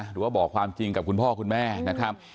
หรือว่าบอกความจริงกับคุณพ่อคุณแม่นะครับ